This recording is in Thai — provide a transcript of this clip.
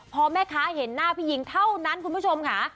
พอแม่ค้าเห็นหน้าพี่หญิงเท่านั้นคุณผู้ชมค่ะ